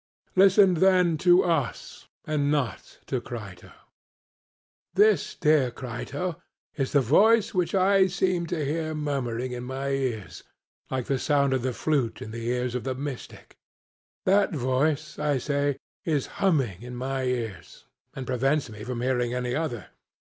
Listen, then, to us and not to Crito.' This, dear Crito, is the voice which I seem to hear murmuring in my ears, like the sound of the flute in the ears of the mystic; that voice, I say, is humming in my ears, and prevents me from hearing any other.